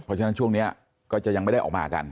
เพราะฉะนั้นช่วงนี้ก็จะยังไม่ได้ออกมากัน